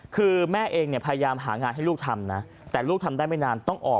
คือแม่เองเนี่ยพยายามหางานให้ลูกทำนะแต่ลูกทำได้ไม่นานต้องออก